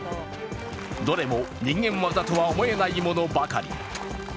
どれも人間業とは思えないものばかり。